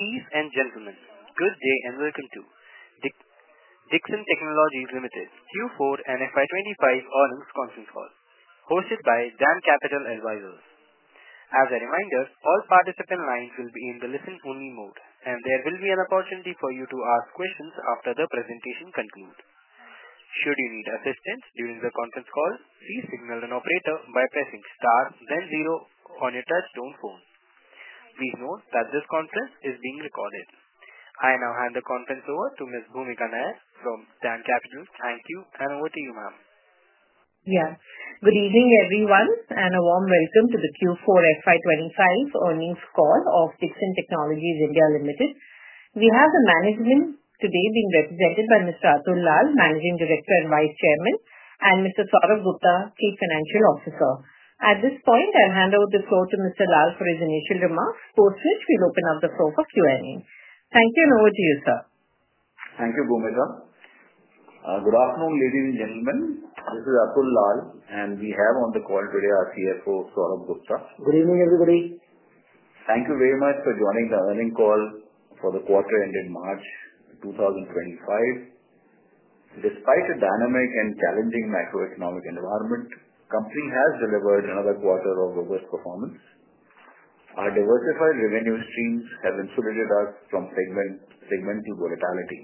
Ladies and gentlemen, good day and welcome to Dixon Technologies Q4 and FY2025 Earnings Conference Call, hosted by DAM Capital Advisors. As a reminder, all participant lines will be in the listen-only mode, and there will be an opportunity for you to ask questions after the presentation concludes. Should you need assistance during the conference call, please signal an operator by pressing star, then zero on your touch-tone phone. Please note that this conference is being recorded. I now hand the conference over to Ms. Bhoomika Nair from DAM Capital. Thank you, and over to you, ma'am. Yeah. Good evening, everyone, and a warm welcome to the Q4 FY25 Earnings Call of Dixon Technologies India Limited. We have the management today being represented by Mr. Atul Lall, Managing Director and Vice Chairman, and Mr. Saurabh Gupta, Chief Financial Officer. At this point, I'll hand over the floor to Mr. Lall for his initial remarks, post which we'll open up the floor for Q&A. Thank you, and over to you, sir. Thank you, Bhoomika. Good afternoon, ladies and gentlemen. This is Atul Lall, and we have on the call today our CFO, Saurabh Gupta. Good evening, everybody. Thank you very much for joining the earning call for the quarter ended March 2025. Despite a dynamic and challenging macroeconomic environment, the company has delivered another quarter of robust performance. Our diversified revenue streams have insulated us from segmental volatility.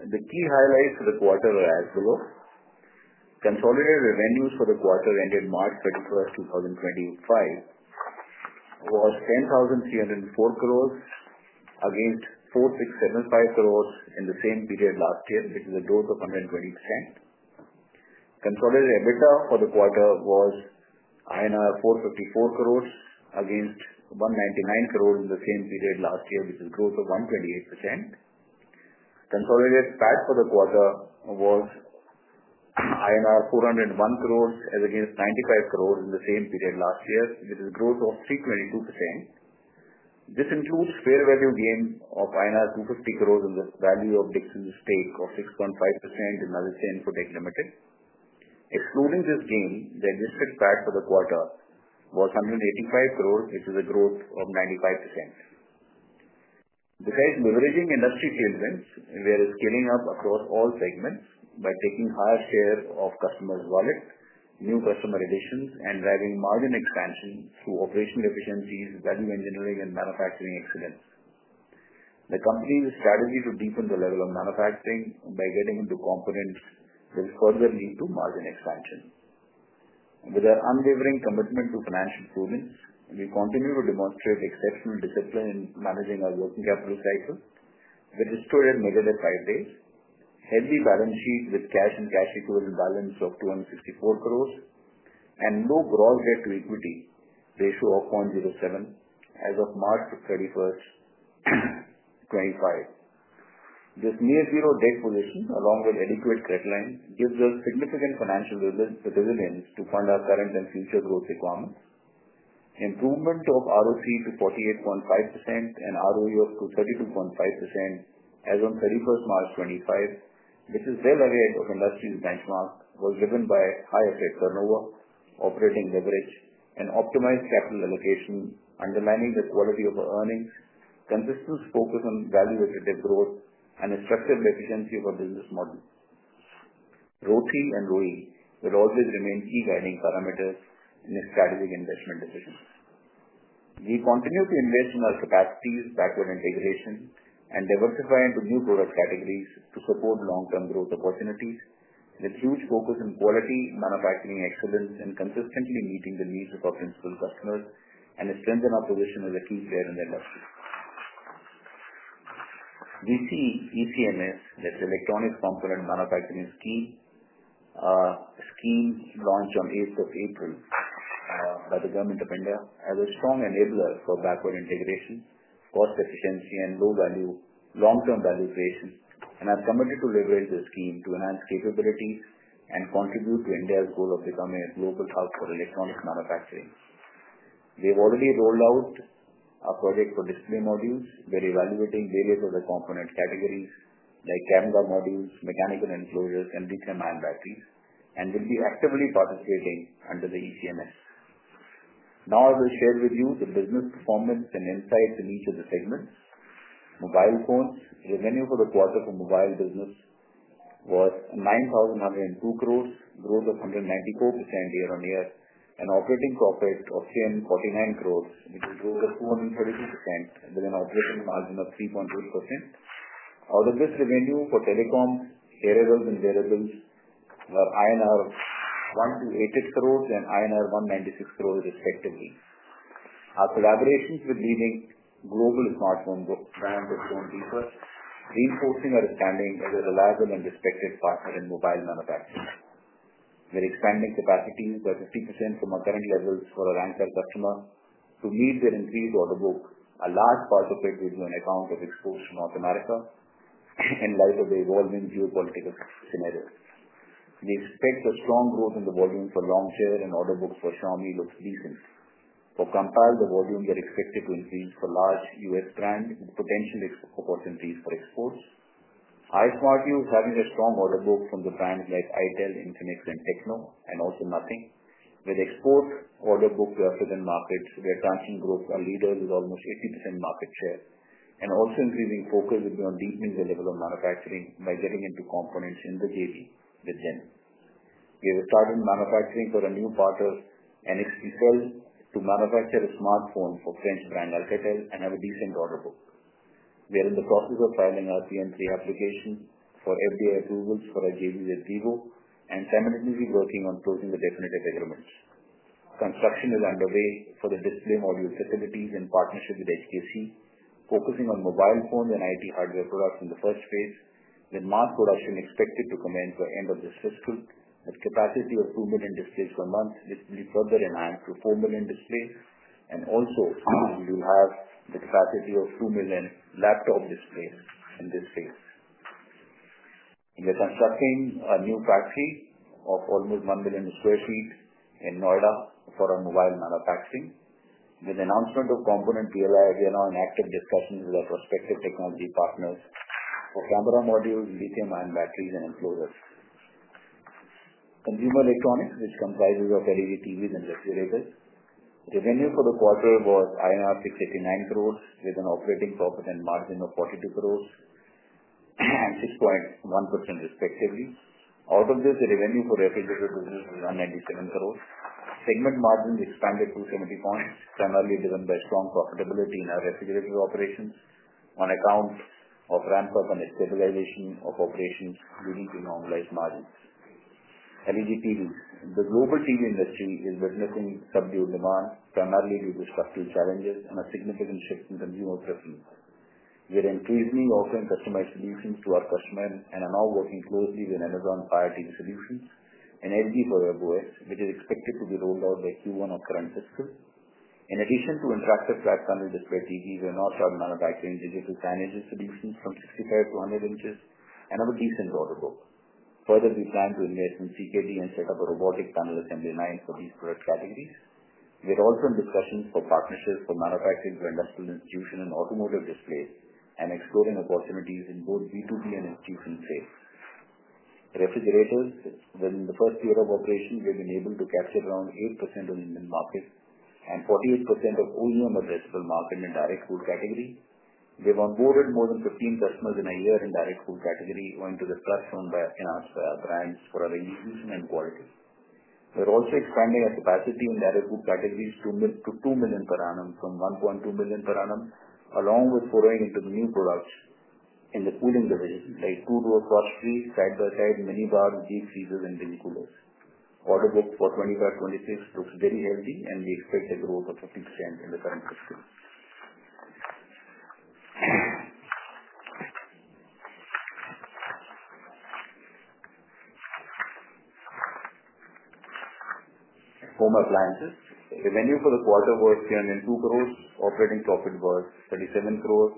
The key highlights for the quarter are as below. Consolidated revenues for the quarter ended March 31st, 2025, was 10,304 crore against 4,675 crore in the same period last year, which is a growth of 120%. Consolidated EBITDA for the quarter was INR 454 crore against 199 crore in the same period last year, which is a growth of 128%. Consolidated PAT for the quarter was INR 401 crore against 95 crore in the same period last year, which is a growth of 322%. This includes fair value gain of INR 250 crore in the value of Dixon's stake of 6.5% in Naviste Inputtech Limited. Excluding this gain, the adjusted PAT for the quarter was 185 crore, which is a growth of 95%. Besides leveraging industry trade wins, we are scaling up across all segments by taking higher share of customers' wallets, new customer additions, and driving margin expansion through operational efficiencies, value engineering, and manufacturing excellence. The company's strategy to deepen the level of manufacturing by getting into components will further lead to margin expansion. With our unwavering commitment to financial prudence, we continue to demonstrate exceptional discipline in managing our working capital cycle, which is true at negative five days, a healthy balance sheet with cash and cash equivalent balance of 264 crore, and no gross debt to equity ratio of 1.07 as of March 31st, 2025. This near-zero debt position, along with adequate credit lines, gives us significant financial resilience to fund our current and future growth requirements. Improvement of ROC to 48.5% and ROE of 32.5% as of 31st March 2025, which is well ahead of the industry's benchmark, was driven by higher-tech turnover, operating leverage, and optimized capital allocation, underlining the quality of our earnings, consistent focus on value-attractive growth, and a structured efficiency of our business model. ROC and ROE will always remain key guiding parameters in strategic investment decisions. We continue to invest in our capacities, backward integration, and diversify into new product categories to support long-term growth opportunities with huge focus on quality, manufacturing excellence, and consistently meeting the needs of our principal customers, and strengthen our position as a key player in the industry. We see ECMS, that's Electronic Component Manufacturing Scheme, launched on the 8th of April by the Government of India as a strong enabler for backward integration, cost efficiency, and long-term value creation, and are committed to leveraging the scheme to enhance capabilities and contribute to India's goal of becoming a global hub for electronic manufacturing. We have already rolled out a project for display modules. We are evaluating various other component categories like camera modules, mechanical enclosures, and lithium-ion batteries, and will be actively participating under the ECMS. Now, I will share with you the business performance and insights in each of the segments. Mobile phones revenue for the quarter for mobile business was 9,102 crore, a growth of 194% year-on-year, and operating profit of 349 crore, which is a growth of 232% with an operating margin of 3.8%. Out of this revenue for telecom, hearables, and wearables, were 188 crore and 196 crore, respectively. Our collaborations with leading global smartphone brands have grown deeper, reinforcing our standing as a reliable and respected partner in mobile manufacturing. We are expanding capacities by 50% from our current levels for our anchor customers to meet their increased order book, a large part of it due to an account that is exposed to North America in light of the evolving geopolitical scenarios. We expect a strong growth in the volume for Longcheer and order books for Xiaomi looks decent. For Compal, the volume we are expected to increase for large U.S. brands with potential opportunities for exports. iSmartu is having a strong order book from the brands like ITEL, Infinix, and TECNO, and also Nothing. With export order book to African markets, we are tranching growth and leaders with almost 80% market share, and also increasing focus will be on deepening the level of manufacturing by getting into components in the JV with them. We have started manufacturing for a new partner, NXP Cell, to manufacture a smartphone for French brand Alcatel and have a decent order book. We are in the process of filing our PN3 application for FDA approvals for our JV with Vivo and simultaneously working on closing the definitive agreements. Construction is underway for the display module facilities in partnership with HKC, focusing on mobile phones and IT hardware products in the first phase, with mass production expected to commence by the end of this fiscal year, with a capacity of 2 million displays per month, which will be further enhanced to 4 million displays, and also we will have the capacity of 2 million laptop displays in this phase. We are constructing a new factory of almost 1 million sq ft in Noida for our mobile manufacturing. With the announcement of component PLI, we are now in active discussions with our prospective technology partners for camera modules, lithium-ion batteries, and enclosures. Consumer electronics, which comprises LED TVs and refrigerators. Revenue for the quarter was INR 689 crore, with an operating profit and margin of 42 crore and 6.1%, respectively. Out of this, the revenue for refrigerator business was 197 crore. Segment margins expanded 270 basis points, primarily driven by strong profitability in our refrigerator operations on account of ramp-up and stabilization of operations leading to normalized margins. LED TVs. The global TV industry is witnessing subdued demand, primarily due to structural challenges and a significant shift in consumer preference. We are increasingly offering customized solutions to our customers and are now working closely with Amazon Fire TV Solutions and LG for webOS, which is expected to be rolled out by Q1 of current fiscal. In addition to interactive flat panel display TVs, we are now starting manufacturing digital signage solutions from 65 in-100 in and have a decent order book. Further, we plan to invest in CKD and set up a robotic panel assembly line for these product categories. We are also in discussions for partnerships for manufacturing for industrial institutions and automotive displays and exploring opportunities in both B2B and institutional trade. Refrigerators. Within the first year of operation, we have been able to capture around 8% of the Indian market and 48% of OEM addressable market in the direct cool category. We have onboarded more than 15 customers in a year in the direct cool category, owing to the push shown by our brands for our inclusion and quality. We are also expanding our capacity in direct cool categories to 2 million per annum from 1.2 million per annum, along with foraying into the new products in the cooling division like two-door frost-free, side-by-side, mini bars, deep freezers, and mini coolers. Order book for 2025-2026 looks very healthy, and we expect a growth of 50% in the current fiscal. Home appliances. Revenue for the quarter was 202 crore. Operating profit was 37 crore.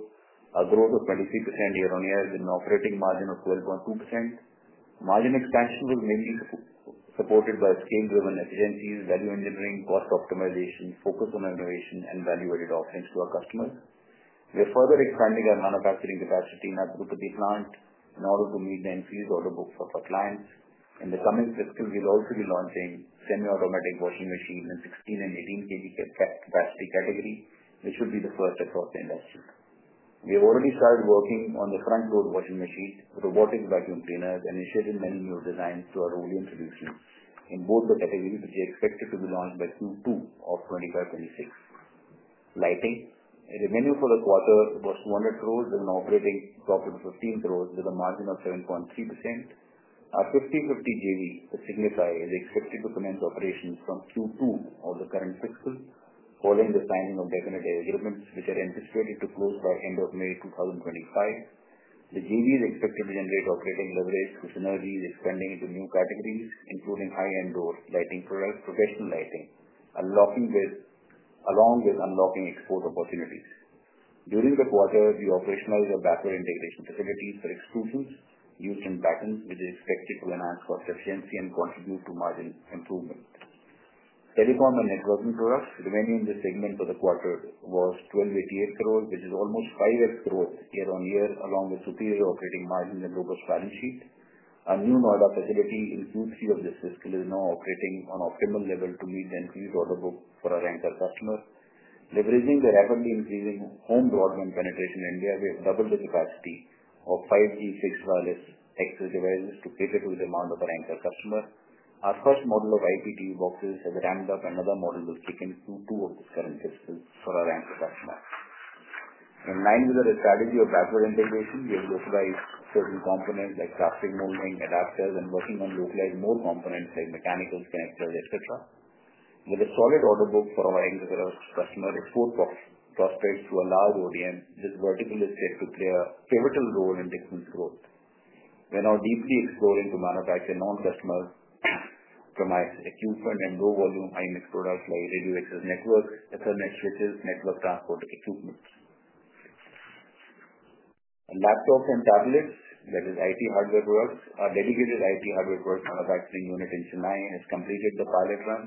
Our growth of 23% year-on-year is an operating margin of 12.2%. Margin expansion was mainly supported by scale-driven efficiencies, value engineering, cost optimization, focus on innovation, and value-added offerings to our customers. We are further expanding our manufacturing capacity in our Gupta plant in order to meet the increased order books of our clients. In the coming fiscal, we will also be launching semi-automatic washing machines in 16 kg and 18 kg capacity category, which will be the first across the industry. We have already started working on the front-load washing machines, robotic vacuum cleaners, and initiated many new designs to our OEM solutions in both the categories, which are expected to be launched by Q2 of 2025-2026. Lighting. Revenue for the quarter was 200 crore with an operating profit of 15 crore with a margin of 7.3%. Our 50/50 JV, the Signify, is expected to commence operations from Q2 of the current fiscal following the signing of definitive agreements, which are anticipated to close by the end of May 2025. The JV is expected to generate operating leverage, with Signify expanding into new categories, including high-end door lighting products and professional lighting, along with unlocking export opportunities. During the quarter, we operationalized our backward integration facilities for enclosures used in patents, which is expected to enhance cost efficiency and contribute to margin improvement. Telecom and networking products revenue in this segment for the quarter was 1,288 crore, which is almost 5x growth year-on-year, along with superior operating margins and robust balance sheet. Our new Noida facility in Q3 of this fiscal is now operating at an optimal level to meet the increased order book for our anchor customers. Leveraging the rapidly increasing home broadband penetration in India, we have doubled the capacity of 5G fixed wireless access devices to cater to the demand of our anchor customers. Our first model of IPTV boxes has ramped up, another model to stick in Q2 of this current fiscal for our anchor customers. In line with our strategy of backward integration, we have localized certain components like plastic molding, adapters, and are working on localizing more components like mechanicals, connectors, etc. With a solid order book for our anchor customers, export prospects to a large OEM, this vertical is set to play a pivotal role in Dixon's growth. We are now deeply exploring to manufacture non-customer-premised equipment and low-volume IMS products like radio access networks, Ethernet switches, network transport equipment. Laptops and tablets, that is, IT hardware products, our dedicated IT hardware product manufacturing unit in Chennai has completed the pilot run,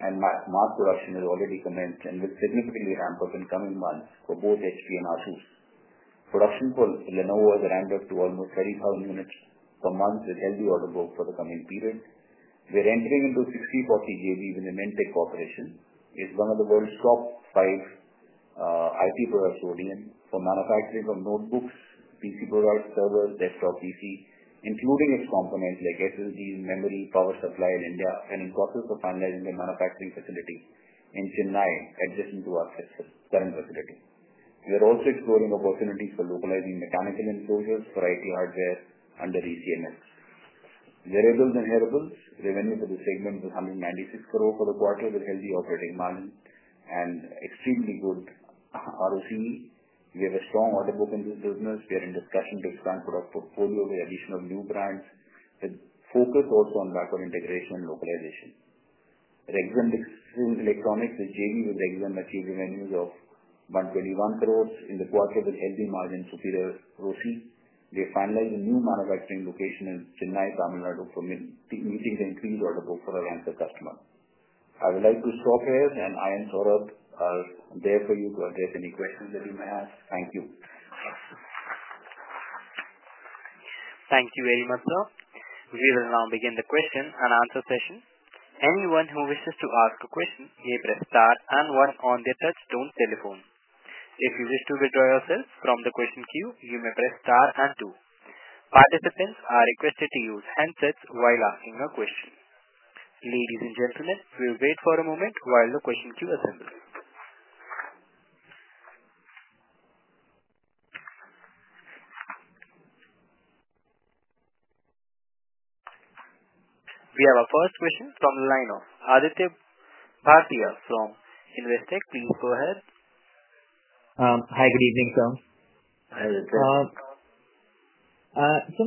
and mass production has already commenced and will significantly ramp up in coming months for both HP and Asus. Production for Lenovo has ramped up to almost 30,000 units per month with healthy order book for the coming period. We are entering into 60/40 JV with an Inventec corporation. It's one of the world's top five IT products OEM for manufacturing of notebooks, PC products, servers, desktop PCs, including its components like SSDs, memory, power supply in India, and in process of finalizing the manufacturing facility in Chennai adjacent to our current facility. We are also exploring opportunities for localizing mechanical enclosures for IT hardware under ECMS. Wearables and hearables. Revenue for the segment was 196 crore for the quarter with healthy operating margins and extremely good ROC. We have a strong order book in this business. We are in discussion to expand product portfolio with additional new brands with focus also on backward integration and localization. Rexon Electronics is JV with Rexon achieved revenues of 121 crores in the quarter, with healthy margins, superior ROC. We have finalized a new manufacturing location in Chennai, Tamil Nadu for meeting the increased order book for our anchor customer. I would like to stop here, and I and Saurabh are there for you to address any questions that you may ask. Thank you. Thank you very much, sir. We will now begin the question and answer session. Anyone who wishes to ask a question may press star and one on the touchstone telephone. If you wish to withdraw yourself from the question queue, you may press star and two. Participants are requested to use handsets while asking a question. Ladies and gentlemen, we will wait for a moment while the question queue assembles. We have our first question from the line of Aditya Bhartia from Investec. Please go ahead. Hi, good evening, sir. Hi, Aditya.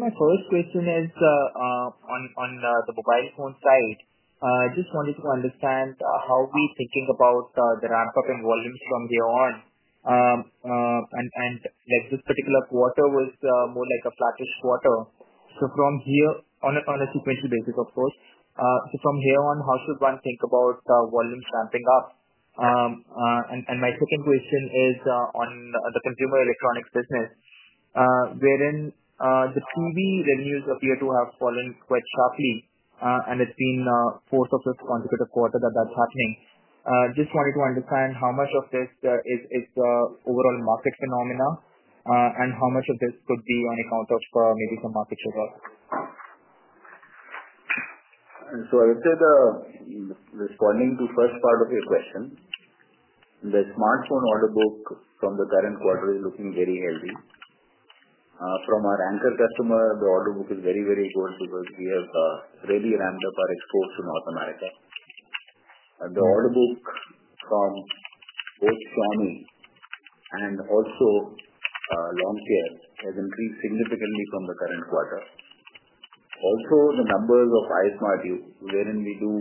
My first question is on the mobile phone side. I just wanted to understand how we're thinking about the ramp-up in volumes from here on. This particular quarter was more like a flattish quarter. From here, on a sequential basis, of course, from here on, how should one think about volumes ramping up? My second question is on the consumer electronics business, wherein the TV revenues appear to have fallen quite sharply, and it's been fourth of this consecutive quarter that that's happening. Just wanted to understand how much of this is the overall market phenomena and how much of this could be on account of maybe some market shakeout. I would say responding to the first part of your question, the smartphone order book from the current quarter is looking very healthy. From our anchor customer, the order book is very, very good because we have really ramped up our exports to North America. The order book from both Xiaomi and also Longcheer has increased significantly from the current quarter. Also, the numbers of iSmartu wherein we do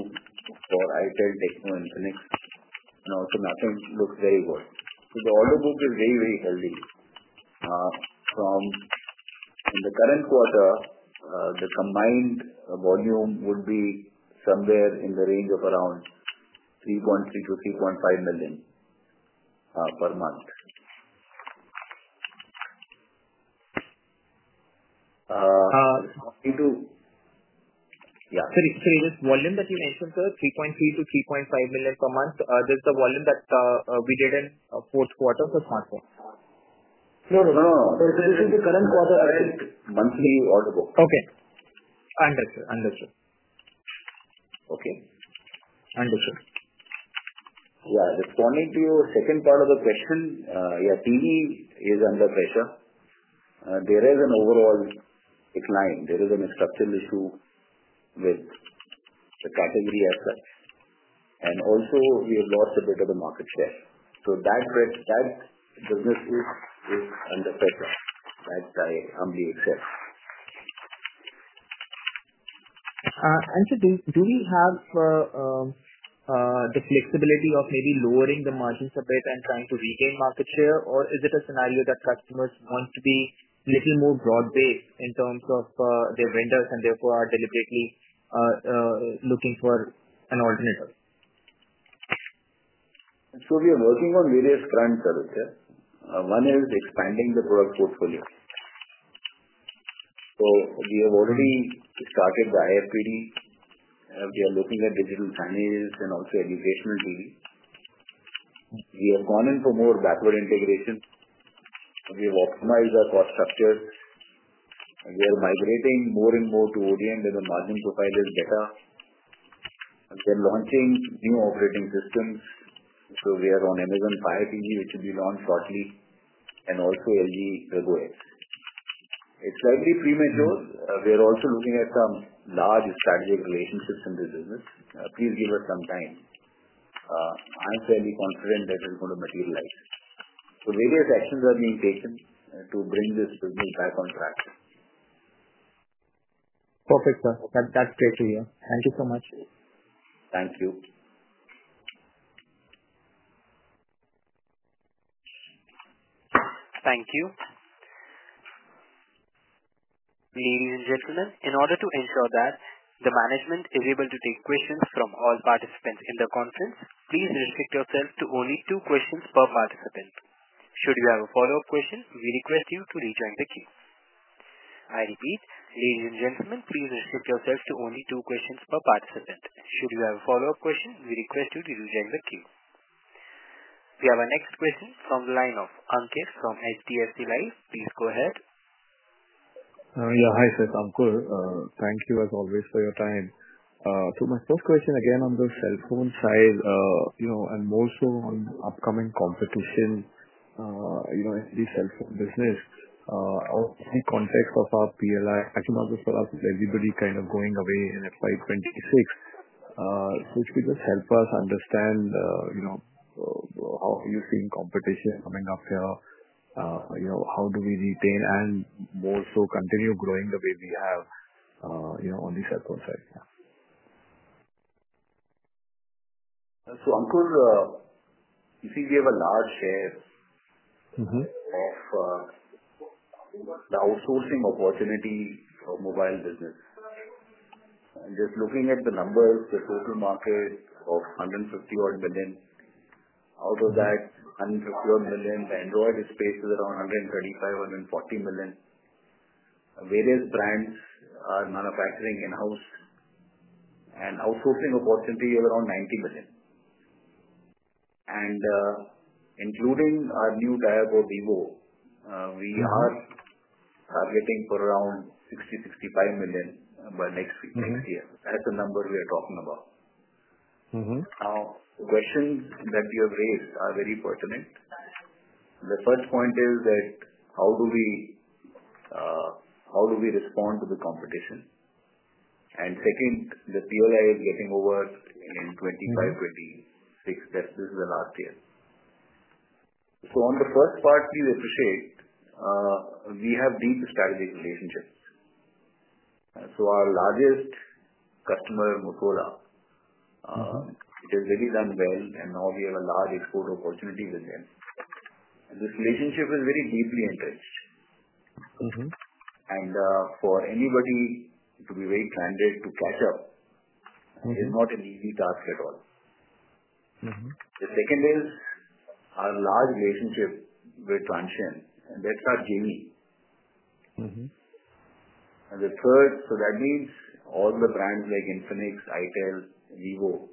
for ITEL, TECNO, Infinix, and also Nothing looks very good. The order book is very, very healthy. From the current quarter, the combined volume would be somewhere in the range of around 3.3 million-3.5 million per month. Yeah. Is this volume that you mentioned, sir, 3.3 million-3.5 million per month, the volume that we did in the fourth quarter for smartphones? No, no, no. This is the current quarter. Monthly order book. Okay. Understood. Understood. Okay. Understood. Yeah. Responding to your second part of the question, yeah, TV is under pressure. There is an overall decline. There is a structural issue with the category assets. Also, we have lost a bit of the market share. That business is under pressure. That I humbly accept. Do we have the flexibility of maybe lowering the margins a bit and trying to regain market share, or is it a scenario that customers want to be a little more broad-based in terms of their vendors and therefore are deliberately looking for an alternative? We are working on various fronts, Aditya. One is expanding the product portfolio. We have already started the IFPD. We are looking at digital signages and also educational TV. We have gone in for more backward integration. We have optimized our cost structures. We are migrating more and more to OEM where the margin profile is better. We are launching new operating systems. We are on Amazon Fire TV, which will be launched shortly, and also LG. It's slightly premature. We are also looking at some large strategic relationships in this business. Please give us some time. I'm fairly confident that it's going to materialize. Various actions are being taken to bring this business back on track. Perfect, sir. That's great to hear. Thank you so much. Thank you. Thank you. Ladies and gentlemen, in order to ensure that the management is able to take questions from all participants in the conference, please restrict yourself to only two questions per participant. Should you have a follow-up question, we request you to rejoin the queue. I repeat, ladies and gentlemen, please restrict yourself to only two questions per participant. Should you have a follow-up question, we request you to rejoin the queue. We have our next question from the line of Ankur from HDFC Life. Please go ahead. Yeah. Hi, it's Ankur. I'm good. Thank you as always for your time. So my first question again on the cellphone side and more so on upcoming competition in the cellphone business, in the context of our PLI, as you know, everybody kind of going away in FY2026. If you could just help us understand how you're seeing competition coming up here, how do we retain and more so continue growing the way we have on the cellphone side. Ankur, you see, we have a large share of the outsourcing opportunity for mobile business. Just looking at the numbers, the total market of 150-odd million. Out of that 150-odd million, the Android space is around 135 million-140 million. Various brands are manufacturing in-house, and outsourcing opportunity is around 90 million. Including our new JV with Vivo, we are targeting for around 60 million-65 million by next year. That's the number we are talking about. The questions that you have raised are very pertinent. The first point is how do we respond to the competition? The second, the PLI is getting over in 2025-2026. This is the last year. On the first part, we appreciate we have deep strategic relationships. Our largest customer, Motorola, which has really done well, and now we have a large export opportunity with them. This relationship is very deeply entrenched. For anybody to be very candid, to catch up is not an easy task at all. The second is our large relationship with Transsion, and that's our JV. The third, so that means all the brands like Infinix, ITEL, Vivo,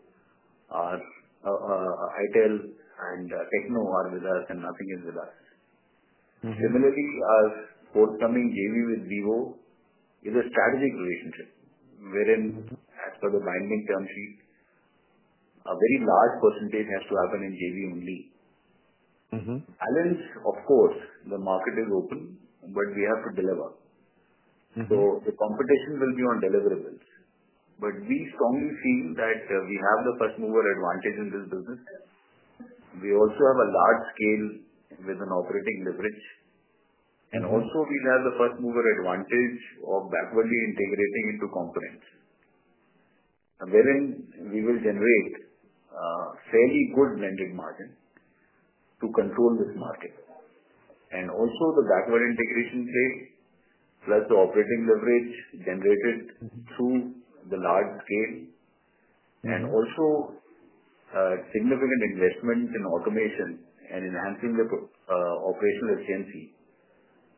ITEL, and TECNO are with us, and Nothing is with us. Similarly, our forthcoming JV with Vivo is a strategic relationship wherein, as per the binding term sheet, a very large percentage has to happen in JV only. Balance, of course, the market is open, but we have to deliver. The competition will be on deliverables. We strongly feel that we have the first-mover advantage in this business. We also have a large scale with an operating leverage. Also, we have the first-mover advantage of backwardly integrating into components wherein we will generate fairly good blended margin to control this market. Also, the backward integration play plus the operating leverage generated through the large scale and also significant investment in automation and enhancing the operational efficiency,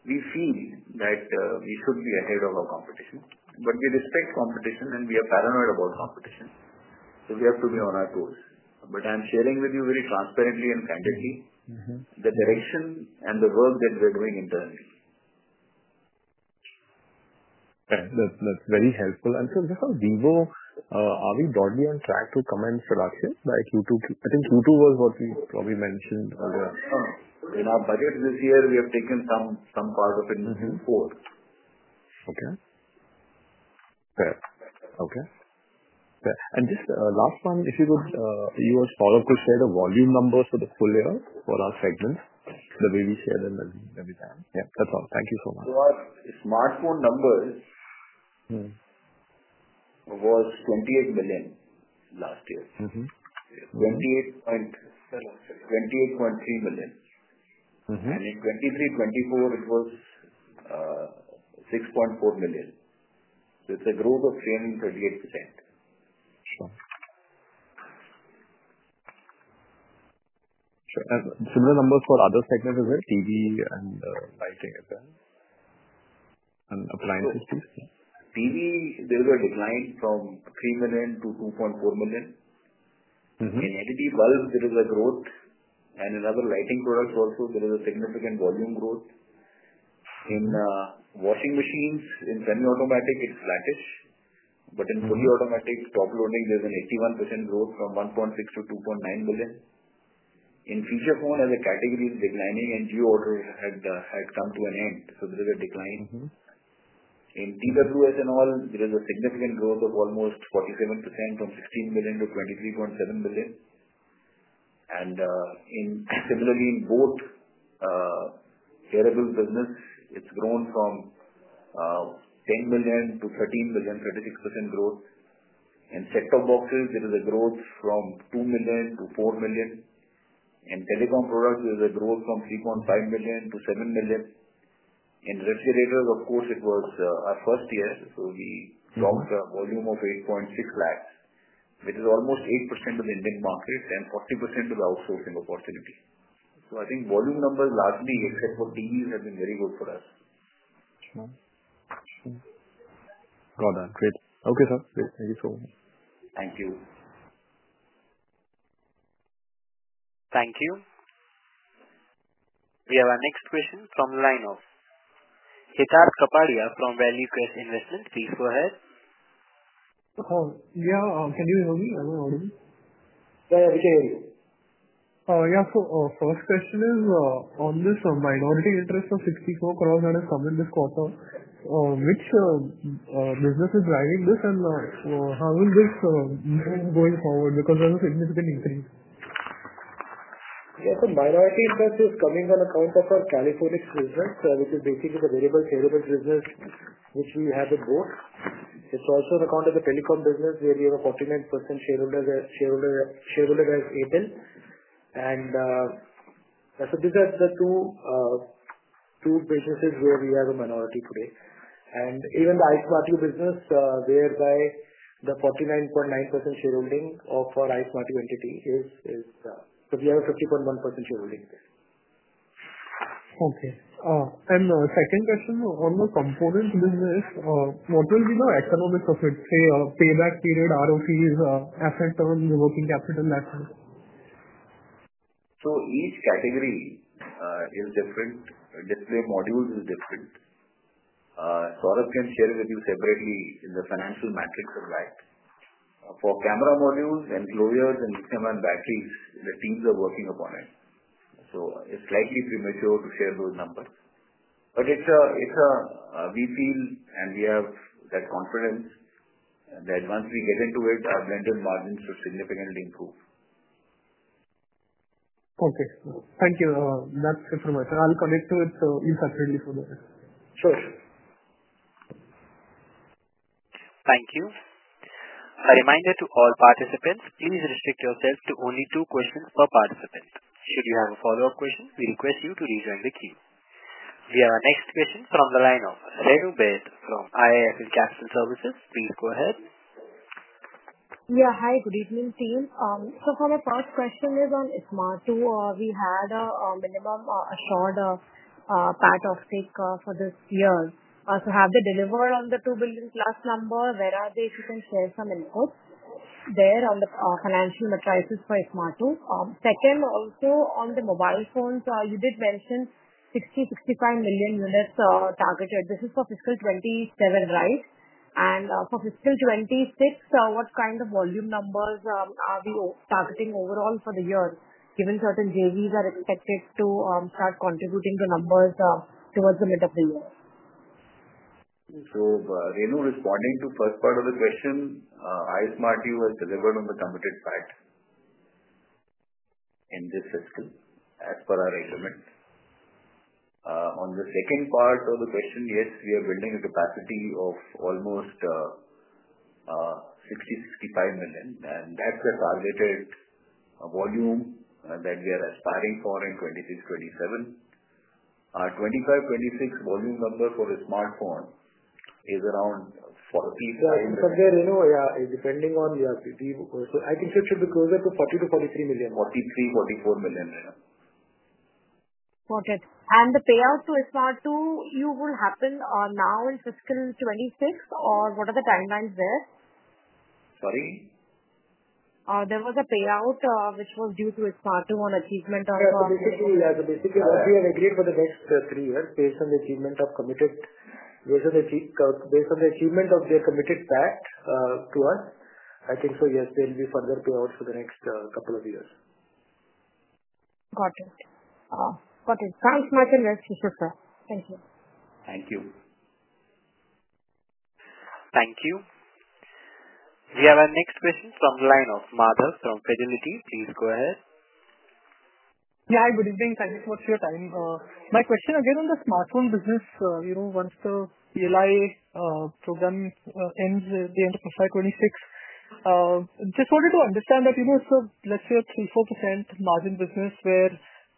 we feel that we should be ahead of our competition. We respect competition, and we are paranoid about competition. We have to be on our toes. I am sharing with you very transparently and candidly the direction and the work that we are doing internally. That's very helpful. How is Vivo? Are we broadly on track to come in production by Q2? I think Q2 was what we probably mentioned earlier. In our budget this year, we have taken some part of it into force. Okay. Fair. Okay. Fair. And just last one, if you would, you as Saurabh could share the volume numbers for the full year for our segments, the way we share them and everything. Yeah. That's all. Thank you so much. Smartphone numbers was 28 million last year. 28.3 million. And in 2023-2024, it was 6.4 million. So it's a growth of 38%. Sure. Sure. And similar numbers for other segments as well, TV and lighting as well and appliances, please. TV, there is a decline from 3 million-2.4 million. In LED bulb, there is a growth. And in other lighting products also, there is a significant volume growth. In washing machines, in semi-automatic, it's flattish. But in fully automatic, top loading, there's an 81% growth from 1.6 million-2.9 million. In feature phone as a category, it's declining, and geo order had come to an end. There is a decline. In TWS and all, there is a significant growth of almost 47% from 16 million-23.7 million. Similarly, in both wearables business, it has grown from 10 million-13 million, 36% growth. In set-top boxes, there is a growth from 2 million-4 million. In telecom products, there is a growth from 3.5 million-7 million. In refrigerators, of course, it was our first year. We dropped a volume of 8.6 lakh, which is almost 8% of the Indian market and 40% of the outsourcing opportunity. I think volume numbers largely, except for TVs, have been very good for us. Sure. Got it. Great. Okay, sir. Great. Thank you so much. Thank you. Thank you. We have our next question from the line of Hitarth Kapadia from ValueQuest Investment. Please go ahead. Yeah. Can you hear me? I'm in audio. Yeah. Yeah. We can hear you. Yeah. First question is on this minority interest of 64 crore that has come in this quarter, which business is driving this, and how will this move going forward? Because there's a significant increase. Yeah. Minority interest is coming on account of our Caliphonix business, which is basically the wearable charitable business, which we have in both. It's also on account of the telecom business where you have a 49% shareholder, that's ATEL. These are the two businesses where we have a minority today. Even the iSmartu business, whereby the 49.9% shareholding of our iSmartu entity is because we have a 50.1% shareholding there. Okay. The second question on the components business, what will be the economics of it? Say payback period, ROCs, asset turns, working capital assets. Each category is different. Display modules is different. Saurabh can share with you separately in the financial matrix of that. For camera modules and enclosures and lithium-ion batteries, the teams are working upon it. So it's slightly premature to share those numbers. But we feel and we have that confidence that once we get into it, our blended margins should significantly improve. Okay. Thank you. That's information. I'll connect to it in subsequently further. Sure. Thank you. A reminder to all participants, please restrict yourself to only two questions per participant. Should you have a follow-up question, we request you to rejoin the queue. We have our next question from the line of Renu Baid from IIFL Capital Services. Please go ahead. Yeah. Hi. Good evening, team. For my first question, it is on iSmartu. We had a minimum assured PAT of stake for this year. Have they delivered on the 2 billion+ number? Where are they? If you can share some inputs there on the financial crisis for iSmartu. Second, also on the mobile phones, you did mention 60 million-65 million units targeted. This is for fiscal 2027, right? For fiscal 2026, what kind of volume numbers are we targeting overall for the year, given certain JVs are expected to start contributing the numbers towards the middle of the year? Renu, responding to the first part of the question, iSmartu has delivered on the committed part in this fiscal as per our agreement. On the second part of the question, yes, we are building a capacity of almost 60 million-65 million, and that's the targeted volume that we are aspiring for in 2026-2027. Our 2025-2026 volume number for smartphones is around 45 million. Yeah. There, Renu, depending on the ICT, I can shift you to closer to 40 million-43 million, 43 million-44 million. Got it. And the payout to iSmartu, will it happen now in fiscal 2026, or what are the timelines there? Sorry? There was a payout which was due to iSmartu on achievement of— Yeah. Basically, as we have agreed for the next three years, based on the achievement of their committed part to us, I think so, yes, there will be further payouts for the next couple of years. Got it. Got it. Thanks much and rest assured, sir. Thank you. Thank you. Thank you. We have our next question from the line of Madhav from Fidelity. Please go ahead. Yeah. Hi. Good evening. Thank you so much for your time. My question again on the smartphone business, once the PLI program ends at the end of FY2026, just wanted to understand that it's a, let's say, a 3%-4% margin business where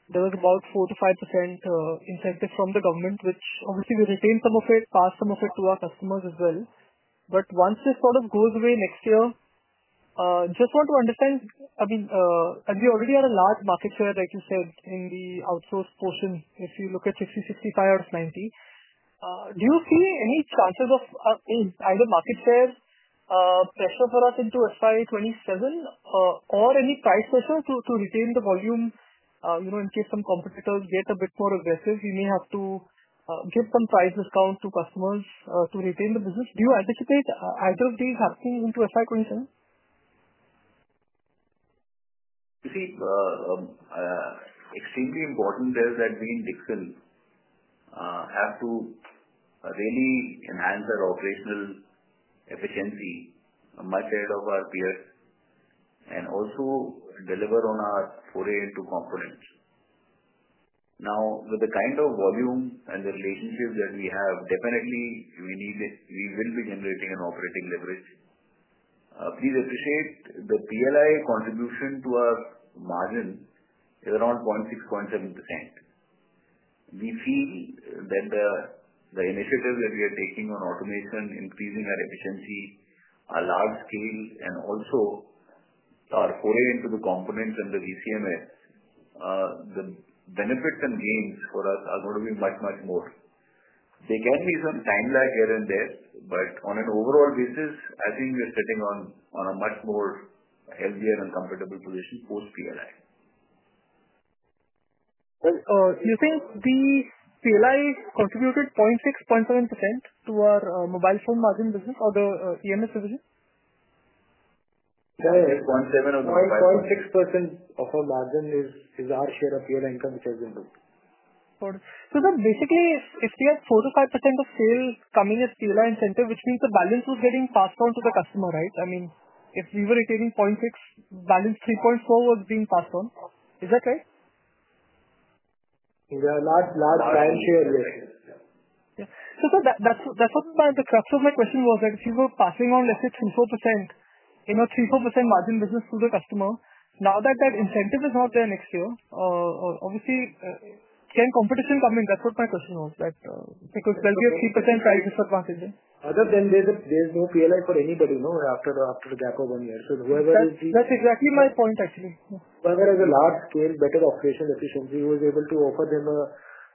there was about 4%-5% incentive from the government, which obviously we retained some of it, passed some of it to our customers as well. Once this sort of goes away next year, just want to understand, I mean, and we already have a large market share, like you said, in the outsource portion. If you look at 60%-65% out of 90%, do you see any chances of either market share pressure for us into FY2027 or any price pressure to retain the volume in case some competitors get a bit more aggressive? We may have to give some price discount to customers to retain the business. Do you anticipate either of these happening into FY2027? You see, extremely important there is that we in Dixon have to really enhance our operational efficiency, much ahead of our peers, and also deliver on our 4A into components. Now, with the kind of volume and the relationship that we have, definitely, we will be generating an operating leverage. Please appreciate the PLI contribution to our margin is around 0.6%-0.7%. We feel that the initiatives that we are taking on automation, increasing our efficiency, our large scale, and also our 4A into the components and the ECMS, the benefits and gains for us are going to be much, much more. There can be some time lag here and there, but on an overall basis, I think we're sitting on a much more healthier and comfortable position post-PLI. Do you think the PLI contributed 0.6%-0.7% to our mobile phone margin business or the EMS division? Yeah. 0.7% or 0.5%. 0.6% of our margin is our share of PLI income which has been booked. If we have 4%-5% of sale coming as PLI incentive, which means the balance was getting passed on to the customer, right? I mean, if we were retaining 0.6%, balance 3.4% was being passed on. Is that right? Yeah. Large client share there. Yeah. That's what the crux of my question was, that if you were passing on, let's say, 3%-4%, 3%-4% margin business to the customer, now that that incentive is not there next year, obviously, can competition come in? That's what my question was, that because there will be a 3% price disadvantage. Other than there, there's no PLI for anybody after the gap of one year. Whoever is the. That's exactly my point, actually. Whoever has a large scale, better operational efficiency, who is able to offer them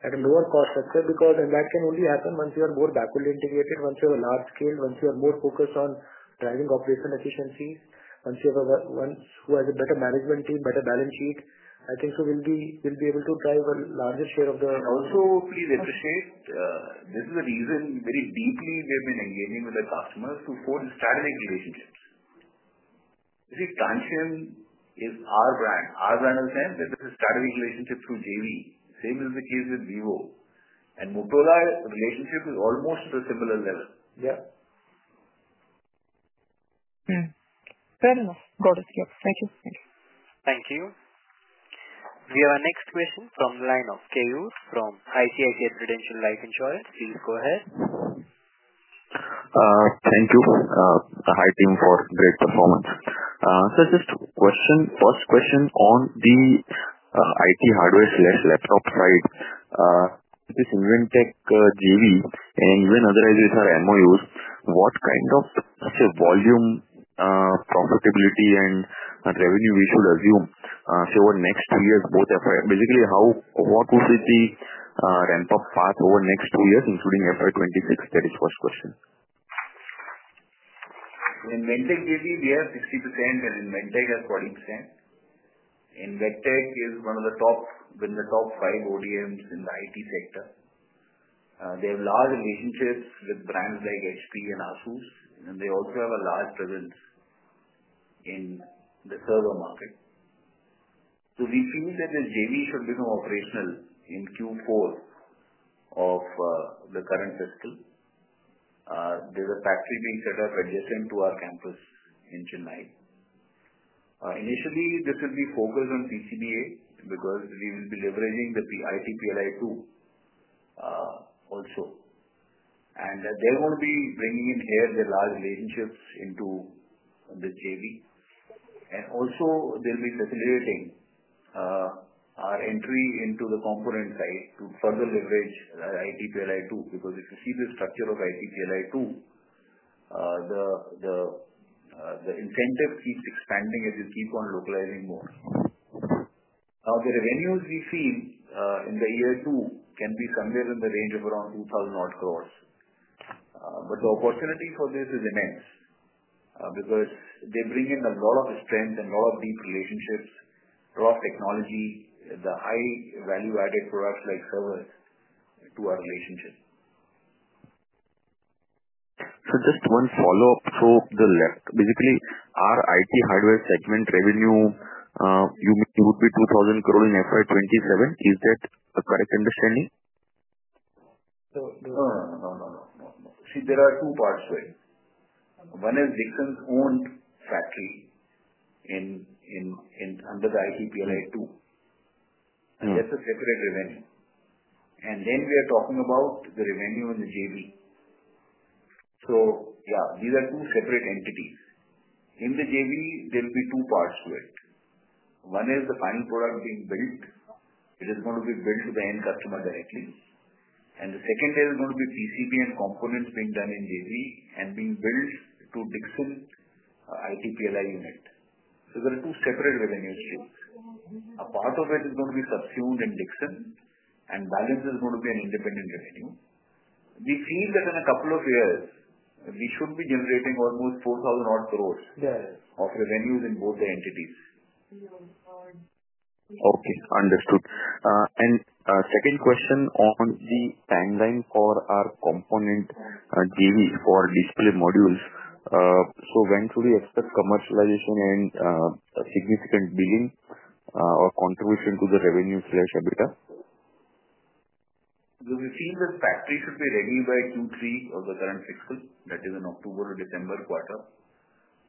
at a lower cost, etc., because that can only happen once you are more backward integrated, once you have a large scale, once you are more focused on driving operational efficiencies, once you have a better management team, better balance sheet, I think so will be able to drive a larger share of the. Also, please appreciate, this is the reason very deeply we have been engaging with the customers to form strategic relationships. You see, Transsion is our brand. Our brand has a strategic relationship through JV. Same is the case with Vivo. Motorola relationship is almost at a similar level. Yeah. Fair enough. Got it. Yep. Thank you. Thank you. Thank you. We have our next question from the line of Keyur from ICICI Prudential Life Insurance. Please go ahead. Thank you. Hi, team. For great performance. So just question, first question on the IT hardware/laptop side, this Inventec JV and even otherwise with our MOUs, what kind of, let's say, volume, profitability, and revenue we should assume over next two years, both FY? Basically, what would be the ramp-up path over next two years, including FY 2026? That is the first question. In Inventec JV, we have 60%, and Inventec has 40%. Inventec is one of the top within the top five ODMs in the IT sector. They have large relationships with brands like HP and ASUS, and they also have a large presence in the server market. So we feel that the JV should become operational in Q4 of the current fiscal. There's a factory being set up adjacent to our campus in Chennai. Initially, this will be focused on PCBA because we will be leveraging the IT PLI too also. They are going to be bringing in here their large relationships into the JV. They will be facilitating our entry into the component side to further leverage IT PLI too because if you see the structure of IT PLI too, the incentive keeps expanding as you keep on localizing more. The revenues we feel in year two can be somewhere in the range of around 2,000-odd crores. The opportunity for this is immense because they bring in a lot of strength and a lot of deep relationships, a lot of technology, the high-value-added products like servers to our relationship. Just one follow-up throughout the left. Basically, our IT hardware segment revenue would be 2,000 crore in FY2027. Is that a correct understanding? No. No. No. No. No. No. See, there are two parts to it. One is Dixon's own factory under the IT PLI too. That's a separate revenue. Then we are talking about the revenue in the JV. Yeah, these are two separate entities. In the JV, there will be two parts to it. One is the final product being built. It is going to be built to the end customer directly. The second is going to be PCBA and components being done in the JV and being built to the Dixon IT PLI unit. There are two separate revenues too. A part of it is going to be subsumed in Dixon, and the balance is going to be an independent revenue. We feel that in a couple of years, we should be generating almost 4,000-odd crore of revenues in both the entities. Okay. Understood. Second question on the timeline for our component JV for display modules. When should we expect commercialization and significant billing or contribution to the revenue/EBITDA? We feel the factory should be ready by Q3 of the current fiscal, that is in October to December quarter.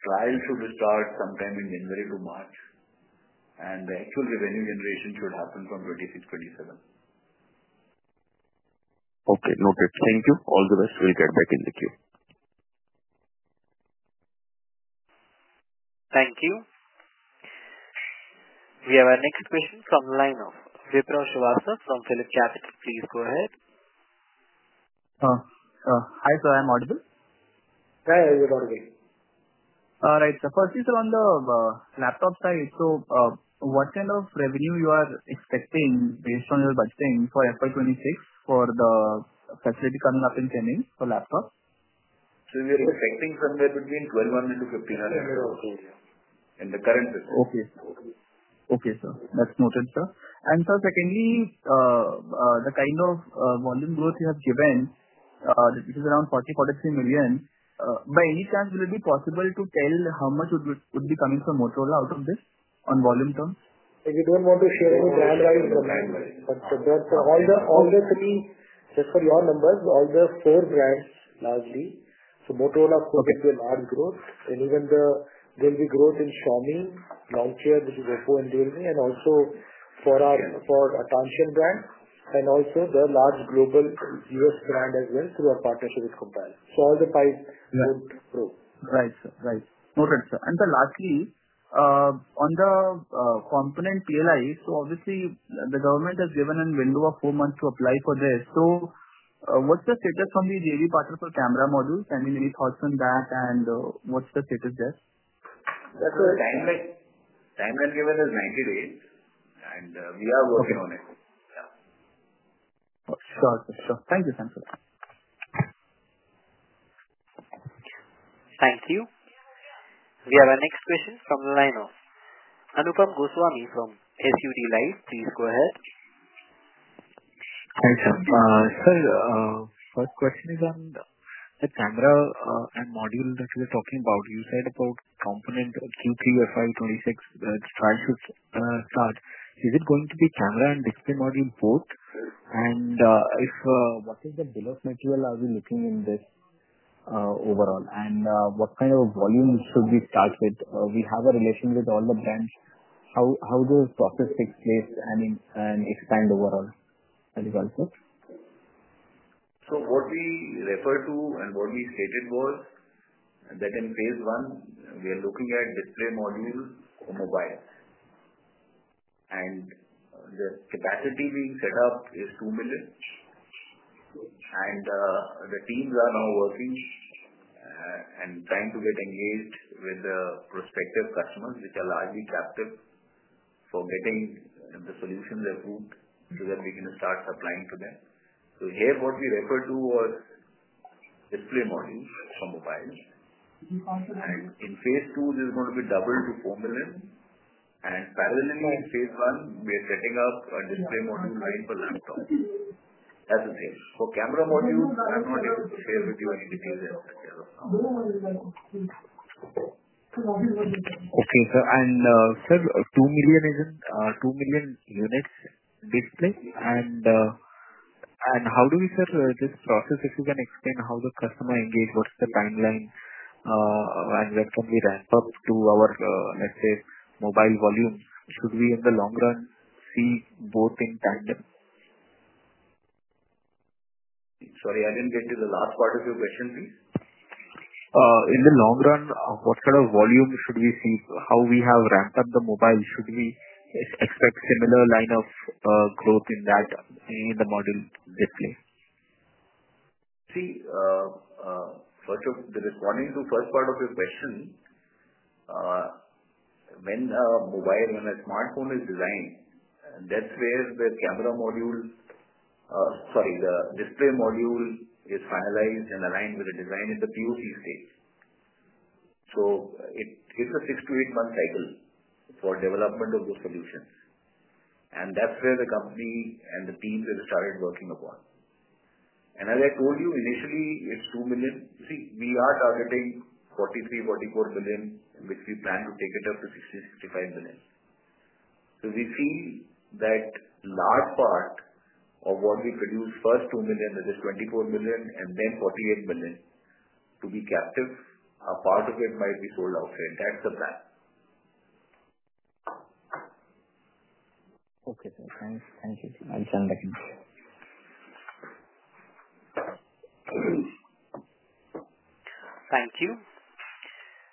Trial should start sometime in January-March. The actual revenue generation should happen from 2026-2027. Okay. Noted. Thank you. All the best. We'll get back in the queue. Thank you. We have our next question from the line of Vipraw Srivastava from Philip Capital. Please go ahead. Hi. Am I audible? Yeah. How are you? Audible. All right. Firstly, on the laptop side, what kind of revenue are you expecting based on your budgeting for FY2026 for the facility coming up and standing for laptops? We are expecting somewhere between 1,200 crore-1,500 crore in the current fiscal. Okay. Okay. That's noted, sir. Secondly, the kind of volume growth you have given, which is around 40-43 million, by any chance, will it be possible to tell how much would be coming from Motorola out of this on volume terms? We don't want to share any brand rights for that. All the three, just for your numbers, all the four brands largely. Motorola could get a large growth, and even there will be growth in Xiaomi, Longcheer, which is Oppo and Realme, and also for our Transsion brand, and also the large global US brand as well through our partnership with Compal. All the pipes would grow. Right. Right. Noted, sir. Lastly, on the component PLI, the government has given a window of four months to apply for this. What's the status from the JV partner for camera modules? I mean, any thoughts on that, and what's the status there? That's right. Timeline given is 90 days, and we are working on it. Yeah. Sure. Sure. Thank you, sir, for that. Thank you. We have our next question from the line of Anupam Goswami from SUD Life. Please go ahead. Hi, sir. First question is on the camera and module that you were talking about. You said about component Q3 FY2026, that trial should start. Is it going to be camera and display module both? And what is the bill of material are we looking in this overall? And what kind of volume should we start with? We have a relation with all the brands. How does the process take place and expand overall as well? What we referred to and what we stated was that in phase one, we are looking at display modules for mobile. The capacity being set up is 2 million. The teams are now working and trying to get engaged with the prospective customers, which are largely captive, for getting the solutions approved so that we can start supplying to them. Here, what we referred to was display modules for mobile. In phase two, this is going to be double to 4 million. Parallelly in phase one, we are setting up a display module line for laptops. That's the same. For camera modules, I'm not able to share with you any details as such. Okay. Sir, and sir, 2 million units display. How do we, sir, this process, if you can explain how the customer engage, what's the timeline, and when can we ramp up to our, let's say, mobile volume? Should we, in the long run, see both in tandem? Sorry, I didn't get to the last part of your question, please. In the long run, what sort of volume should we see? How we have ramped up the mobile, should we expect similar line of growth in the model display? See, first of all, responding to the first part of your question, when a mobile and a smartphone is designed, that's where the camera module—sorry, the display module—is finalized and aligned with the design in the POC stage. It's a six to eight-month cycle for development of the solutions. That's where the company and the teams have started working upon. As I told you, initially, it's 2 million. We are targeting 43 million-44 million, which we plan to take up to 60 million-65 million. We feel that a large part of what we produce, first 2 million, that is 24 million, and then 48 million to be captive, a part of it might be sold outside. That's the plan. Thank you. I'll turn back in. Thank you.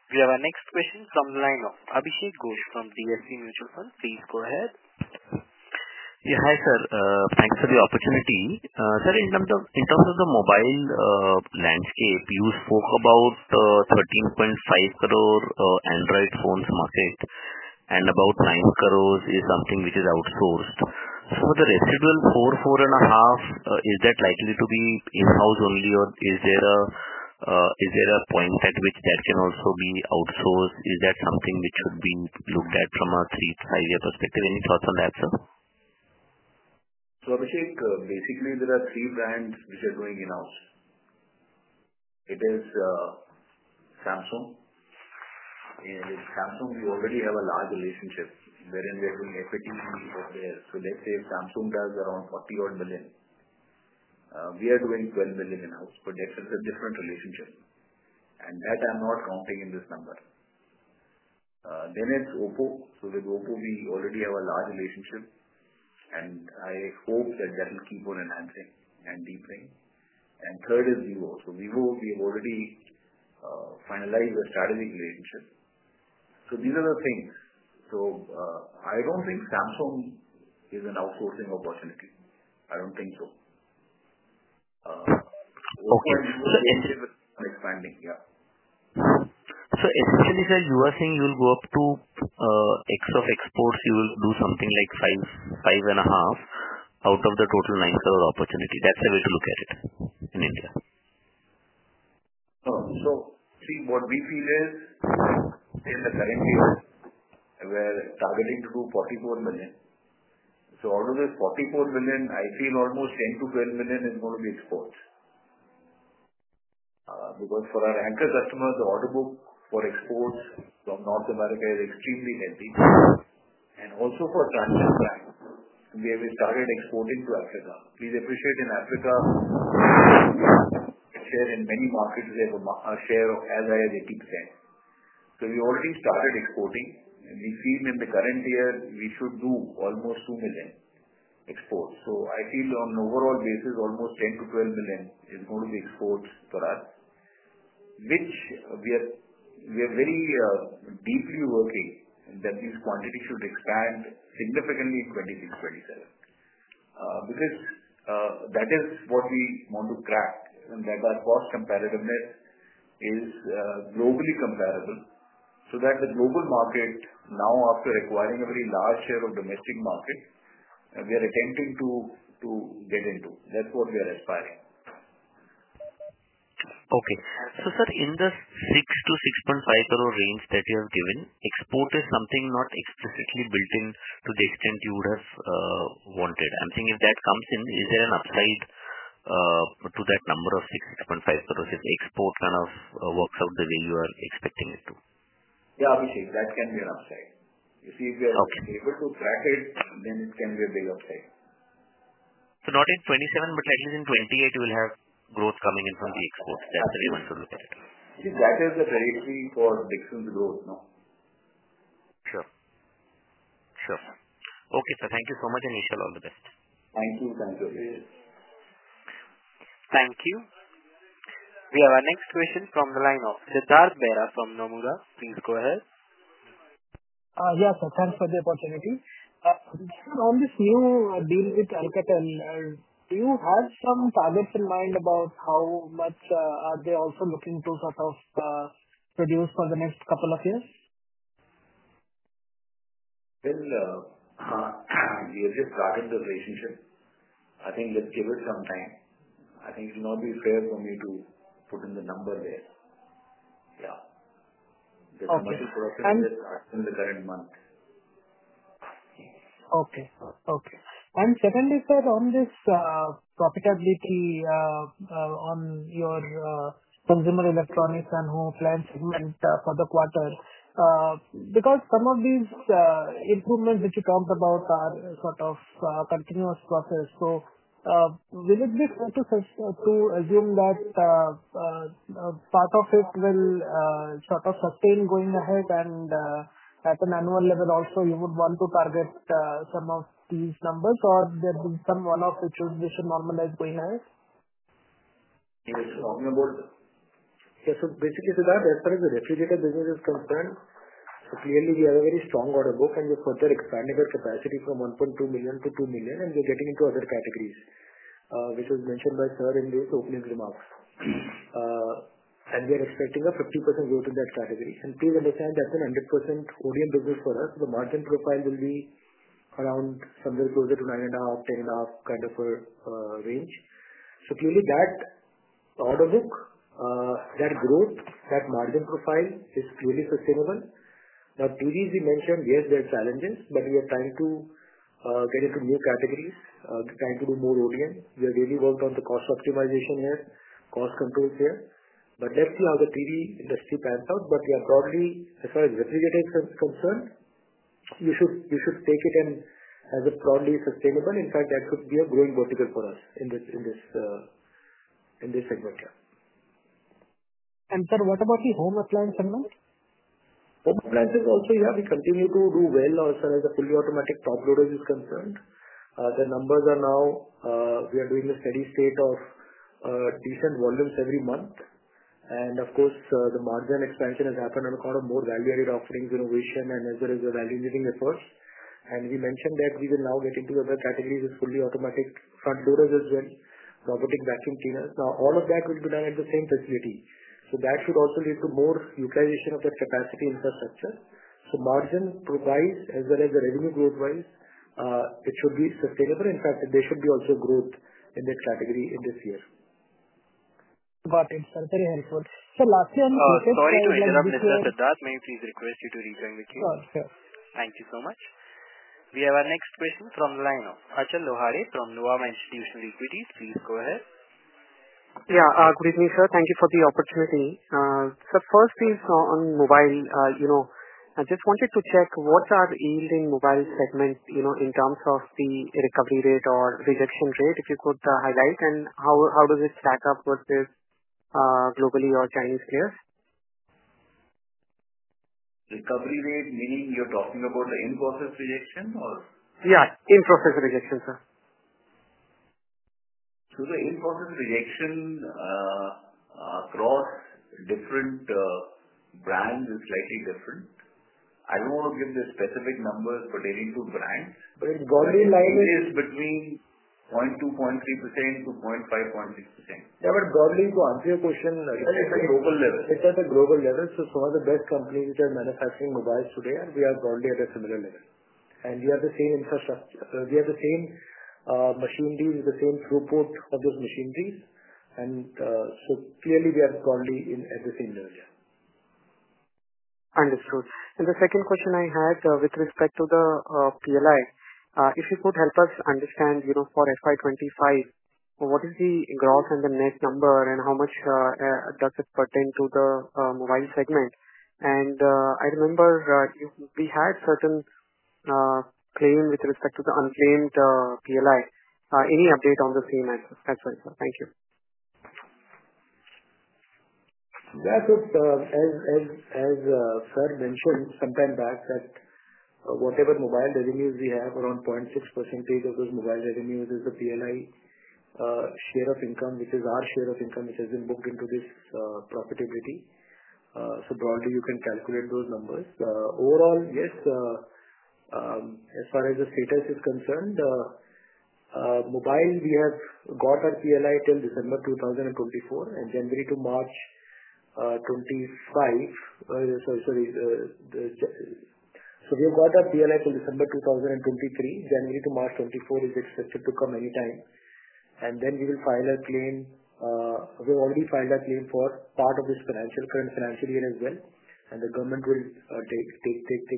We have our next question from the line of Abhishek Ghosh from DSP Mutual Fund. Please go ahead. Yeah. Hi, sir. Thanks for the opportunity. Sir, in terms of the mobile landscape, you spoke about 13.5 crore Android phones market and about 9 crore is something which is outsourced. For the residual 4-4.5, is that likely to be in-house only, or is there a point at which that can also be outsourced? Is that something which should be looked at from a three to five-year perspective? Any thoughts on that, sir? So Abhishek, basically, there are three brands which are going in-house. It is Samsung. And with Samsung, we already have a large relationship, wherein we are doing equity over there. Let's say Samsung does around 40-odd million. We are doing 12 million in-house, but that's a different relationship. That I'm not counting in this number. Then it's Oppo. With Oppo, we already have a large relationship, and I hope that that will keep on enhancing and deepening. Third is Vivo. Vivo, we have already finalized a strategic relationship. These are the things. I don't think Samsung is an outsourcing opportunity. I don't think so. Oppo and Vivo are expanding. Yeah. Essentially, sir, you were saying you will go up to X of exports. You will do something like 5.5 crore out of the total INR 9 crore opportunity. That's the way to look at it in India. See, what we feel is in the current year, we're targeting to do 44 million. Out of this 44 million, I feel almost 10 million-12 million is going to be exports. Because for our anchor customers, the order book for exports from North America is extremely heavy. Also, for Transsion brand, we have started exporting to Africa. Please appreciate in Africa, in many markets, we have a share as high as 80%. We already started exporting, and we feel in the current year, we should do almost 2 million exports. I feel on an overall basis, almost 10 million-12 million is going to be exports for us, which we are very deeply working that these quantities should expand significantly in 2026-2027. Because that is what we want to crack, and that our cost comparativeness is globally comparable so that the global market now, after acquiring a very large share of the domestic market, we are attempting to get into. That is what we are aspiring. Okay. Sir, in the 6 crore-6.5 crore range that you have given, export is something not explicitly built in to the extent you would have wanted. I am thinking if that comes in, is there an upside to that number of 6 crore-6.5 crore if export kind of works out the way you are expecting it to? Yeah, Abhishek, that can be an upside. You see, if we are able to crack it, then it can be a big upside. Not in 2027, but at least in 2028, you will have growth coming in from the exports. That is the way you want to look at it. See, that is the trajectory for Dixon's growth now. Sure. Sure. Okay. Thank you so much, and wish you all the best. Thank you. Thank you. Thank you. We have our next question from the line of Siddhartha Bera from Nomura. Please go ahead. Yes, sir. Thanks for the opportunity. On this new deal with Alcatel and Al, do you have some targets in mind about how much are they also looking to sort of produce for the next couple of years? We are just starting the relationship. I think let's give it some time. I think it will not be fair for me to put in the number there. Yeah. The commercial process is just starting in the current month. Okay. Okay. Secondly, sir, on this profitability on your consumer electronics and home appliances segment for the quarter, because some of these improvements that you talked about are sort of continuous process. Will it be fair to assume that part of it will sort of sustain going ahead and at an annual level also, you would want to target some of these numbers, or there will be some one-off which we should normalize going ahead? Yes. Basically, Siddhartha, as far as the refrigerator business is concerned, we have a very strong order book and we're further expanding our capacity from 1.2 million-2 million, and we're getting into other categories, which was mentioned by sir in the opening remarks. We are expecting a 50% growth in that category. Please understand that's a 100% ODM business for us. The margin profile will be around somewhere closer to 9.5%-10.5% kind of a range. That order book, that growth, that margin profile is clearly sustainable. Now, TVs you mentioned, yes, there are challenges, but we are trying to get into new categories, trying to do more ODM. We have really worked on the cost optimization here, cost controls here. Let's see how the TV industry pans out. Yeah, broadly, as far as refrigerators are concerned, you should take it as broadly sustainable. In fact, that could be a growing vertical for us in this segment here. Sir, what about the home appliance segment? Home appliances also, yeah, we continue to do well also as far as fully automatic top loaders are concerned. The numbers are now we are doing a steady state of decent volumes every month. Of course, the margin expansion has happened on account of more value-added offerings, innovation, as well as the value-engaging efforts. We mentioned that we will now get into other categories with fully automatic front loaders as well, robotic vacuum cleaners. All of that will be done at the same facility. That should also lead to more utilization of that capacity infrastructure. Margin growth-wise, as well as the revenue growth-wise, it should be sustainable. In fact, there should be also growth in this category in this year. Got it. That is very helpful. Lastly, any questions? Sorry to interrupt, Mr. Siddhartha. May I please request you to rejoin with you? Sure. Sure. Thank you so much. We have our next question from the line of Achal Lohade from Nuvama Institutional Equities. Please go ahead. Yeah. Good evening, sir. Thank you for the opportunity. First, please, on mobile, I just wanted to check what are yielding mobile segment in terms of the recovery rate or rejection rate, if you could highlight, and how does it stack up versus globally or Chinese players? Recovery rate, meaning you are talking about the in-process rejection or? Yeah, in-process rejection, sir. The in-process rejection across different brands is slightly different. I don't want to give the specific numbers, but any two brands. Broadly lined up, it is between 0.2%-0.3% to 0.5%-0.6%. Yeah, but broadly, to answer your question, it's at a global level. It's at a global level. Some of the best companies which are manufacturing mobiles today, and we are broadly at a similar level. We have the same infrastructure. We have the same machineries, the same throughput of those machineries. Clearly, we are broadly at the same level, yeah. Understood. The second question I had with respect to the PLI, if you could help us understand for FY2025, what is the gross and the net number, and how much does it pertain to the mobile segment? I remember we had certain claims with respect to the unclaimed PLI. Any update on the same answer? That's all, sir. Thank you. Yeah, so as sir mentioned some time back that whatever mobile revenues we have, around 0.6% of those mobile revenues is the PLI share of income, which is our share of income which has been booked into this profitability. So broadly, you can calculate those numbers. Overall, yes, as far as the status is concerned, mobile, we have got our PLI till December 2023. January to March 2024 is expected to come anytime. We have already filed a claim for part of this current financial year as well. The government will take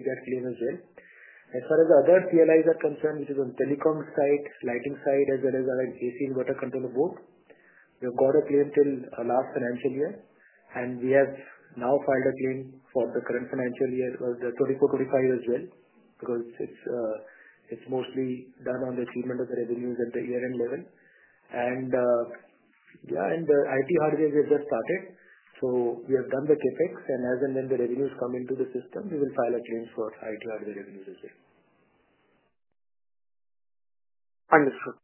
that claim as well. As far as the other PLIs are concerned, which is on telecom side, lighting side, as well as our AC inverter controller board, we have got a claim till last financial year. We have now filed a claim for the current financial year or the 2024-2025 as well because it is mostly done on the achievement of the revenues at the year-end level. Yeah, and the IT hardware we have just started. We have done the CapEx. As and when the revenues come into the system, we will file a claim for IT hardware revenues as well. Understood.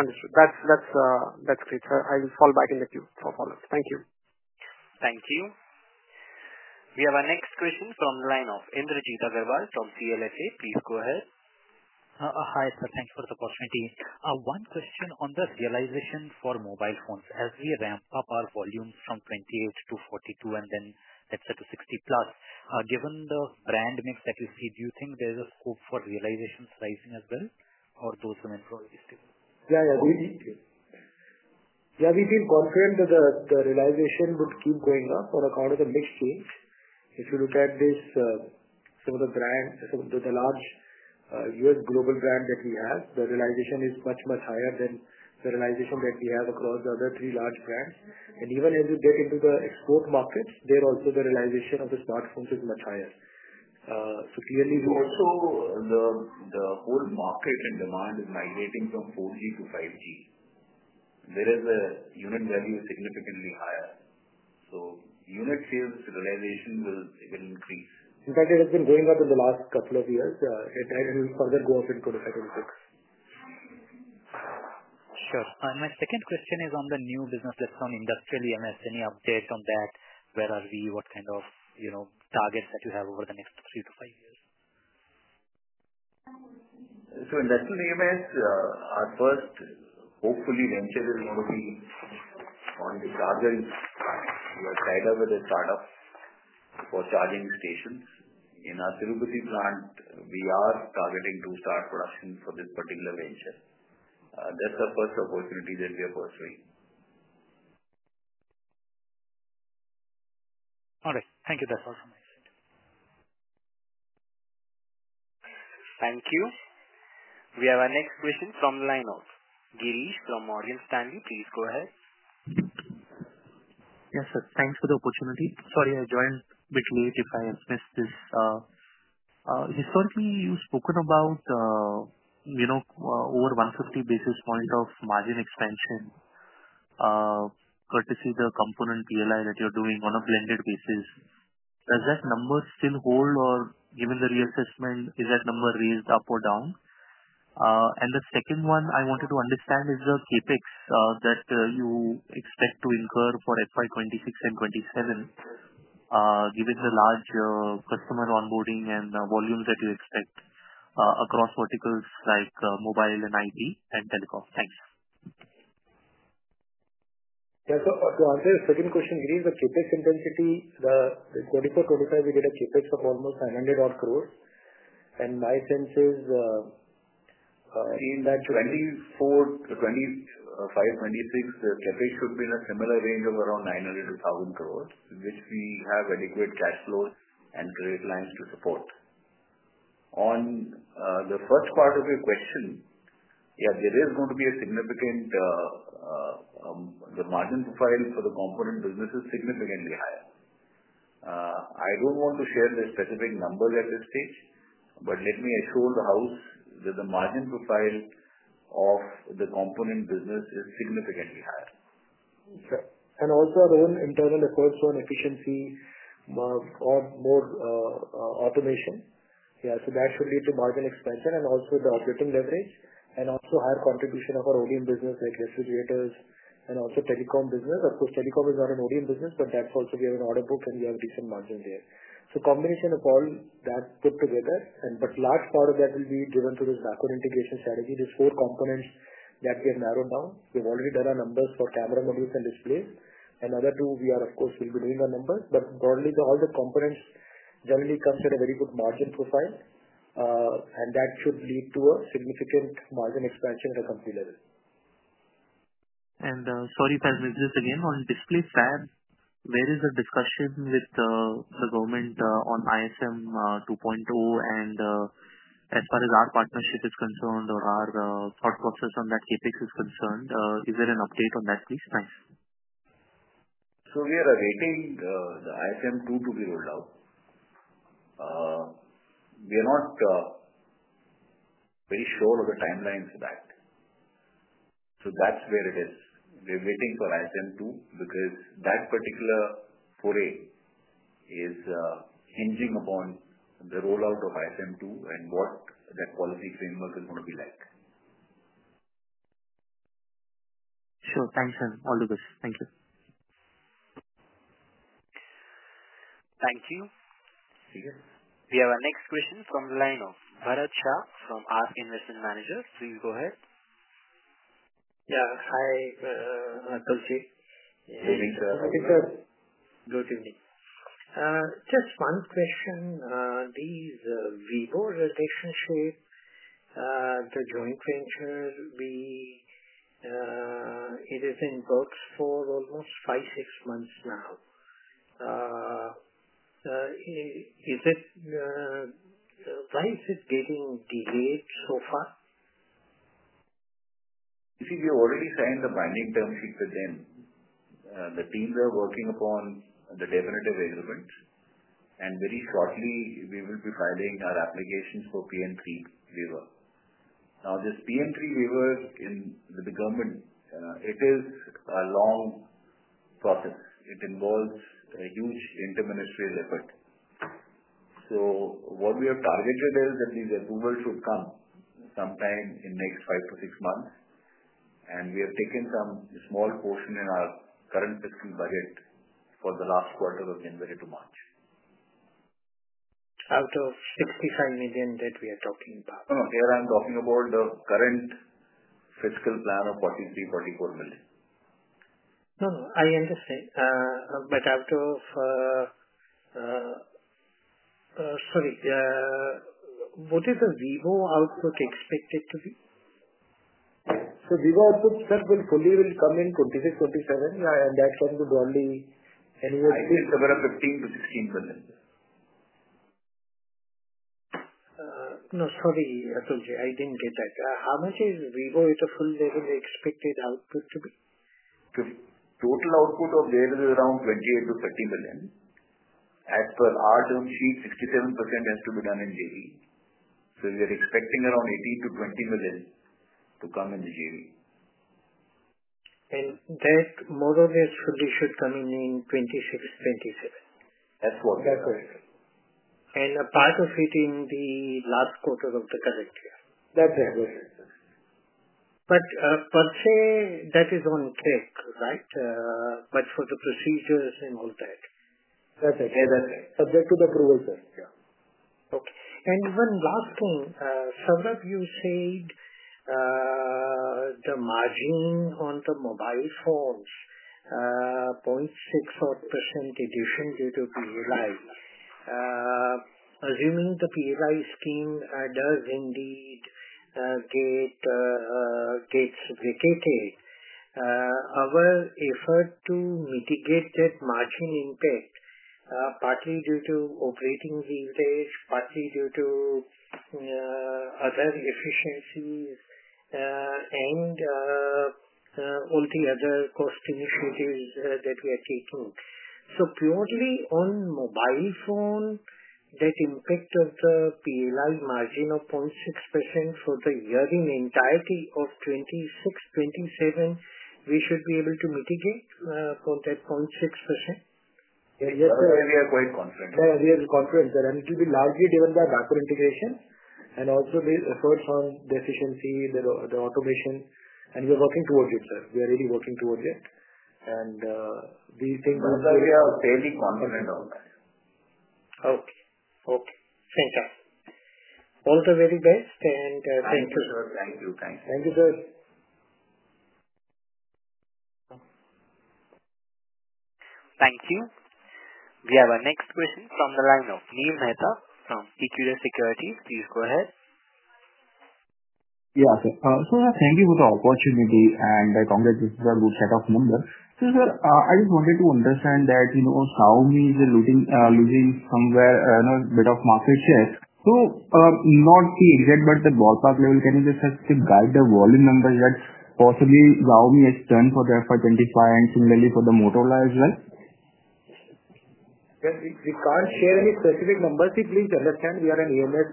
Understood. That is great. I will fall back in the queue for follow-ups. Thank you. Thank you. We have our next question from the line of Indrajit Agarwal from CLSA. Please go ahead. Hi, sir. Thank you for the opportunity. One question on the realization for mobile phones. As we ramp up our volumes from 28-42 and then let's say to 60+, given the brand mix that you see, do you think there is a scope for realization sizing as well, or those remain probably stable? Yeah, yeah. We feel confident that the realization would keep going up on account of the mix change. If you look at some of the large U.S. global brands that we have, the realization is much, much higher than the realization that we have across the other three large brands. Even as we get into the export markets, there also the realization of the smartphones is much higher. Clearly, also the whole market and demand is migrating from 4G to 5G. There is a unit value significantly higher. Unit sales realization will increase. In fact, it has been going up in the last couple of years. It did not further go up in 2026. Sure. And my second question is on the new business that is on industrial EMS. Any update on that? Where are we? What kind of targets do you have over the next three to five years? So industrial EMS, our first hopefully venture is going to be on the chargers. We are tied up with a startup for charging stations. In our Tirupati plant, we are targeting to start production for this particular venture. That is the first opportunity that we are pursuing. All right. Thank you. That is all from my side. Thank you. We have our next question from the line of Girish from Morgan Stanley. Please go ahead. Yes, sir. Thanks for the opportunity. Sorry, I joined a bit late if I have missed this. Historically, you've spoken about over 150 basis points of margin expansion courtesy of the component PLI that you're doing on a blended basis. Does that number still hold, or given the reassessment, is that number raised up or down? The second one I wanted to understand is the CapEx that you expect to incur for FY2026 and 2027, given the large customer onboarding and volumes that you expect across verticals like mobile and IT and telecom. Thanks. Yeah. To answer your second question, Girish, the CapEx intensity, the 2024-2025, we did a CapEx of almost 900-odd crore. My sense is in that 2024-2025-2026, the CapEx should be in a similar range of around 900 crore-1,000 crore, which we have adequate cash flows and trade lines to support. On the first part of your question, yeah, there is going to be a significant, the margin profile for the component business is significantly higher. I don't want to share the specific numbers at this stage, but let me assure the house that the margin profile of the component business is significantly higher. Sure. And also our own internal efforts on efficiency or more automation. Yeah. That should lead to margin expansion and also the operating leverage and also higher contribution of our ODM business like refrigerators and also telecom business. Of course, telecom is not an ODM business, but that's also, we have an order book and we have decent margins there. Combination of all that put together, but large part of that will be driven through this backward integration strategy, these four components that we have narrowed down. We've already done our numbers for camera modules and displays. Another two, we are, of course, we'll be doing our numbers. Broadly, all the components generally come to a very good margin profile, and that should lead to a significant margin expansion at a company level. Sorry if I missed this again. On display fab, where is the discussion with the government on ISM 2.0? As far as our partnership is concerned or our thought process on that CapEx is concerned, is there an update on that, please? Thanks. We are awaiting the ISM 2 to be rolled out. We are not very sure of the timeline for that. That's where it is. We're waiting for ISM 2 because that particular foray is hinging upon the rollout of ISM 2 and what that policy framework is going to be like. Sure. Thanks, sir. All the best. Thank you. Thank you. See you. We have our next question from the line of Bharat Shah from ASK Investment Managers. Please go ahead. Yeah. Hi, Atulji. Good evening, sir. Good evening. Good evening. Just one question. This Vivo relationship, the joint venture, it is in books for almost five, six months now. Why is it getting delayed so far? You see, we have already signed the binding term sheet with them. The teams are working upon the definitive agreement. Very shortly, we will be filing our applications for PN3 waiver. Now, this PN3 waiver with the government, it is a long process. It involves a huge interministerial effort. What we have targeted is that these approvals should come sometime in the next five months-six months. We have taken some small portion in our current fiscal budget for the last quarter of January to March. Out of 65 million that we are talking about? No, no. Here I am talking about the current fiscal plan of 43 million-44 million. No, no. I understand. But out of, sorry, what is the Vivo output expected to be? So Vivo output, sir, will fully come in 2026-2027. Yeah. And that can be broadly anywhere between somewhere around 15 milion-16 million. No, sorry, Atul. I did not get that. How much is Vivo at a full level expected output to be? The total output of there is around 28 million-30 million. As per our term sheet, 67% has to be done in GE. We are expecting around 18 million-20 million to come in the GE. And that more or less fully should come in 2026-2027? That's what we expect. That's what you expect. And a part of it in the last quarter of the current year? That's right. That's right. That's right. Per se, that is on track, right? For the procedures and all that. That's right. Yeah, that's right. Subject to the approval, sir. Yeah. Okay. One last thing. Several of you said the margin on the mobile phones, 0.6% addition due to PLI. Assuming the PLI scheme does indeed get vacated, our effort to mitigate that margin impact, partly due to operating leverage, partly due to other efficiencies, and all the other cost initiatives that we are taking. Purely on mobile phone, that impact of the PLI margin of 0.6% for the year in entirety of 2026-2027, we should be able to mitigate for that 0.6%? Yes, sir. We are quite confident. Yeah, we are confident, sir. It will be largely driven by backward integration and also the efforts on the efficiency, the automation. We are working towards it, sir. We are really working towards it. We think we will be fairly confident on that. Okay. Thank you. All the very best. Thank you. Thank you, sir. Thank you. Thank you, sir. Thank you. We have our next question from the line of Neel Mehta from Equirus Securities. Please go ahead. Yeah, sir. Thank you for the opportunity. I congratulate you on a good set of numbers. Sir, I just wanted to understand that Xiaomi is losing somewhere a bit of market share. Not the exact, but the ballpark level, can you just guide the volume numbers that possibly Xiaomi has turned for the FY2025 and similarly for the Motorola as well? We cannot share any specific numbers. Please understand, we are an EMS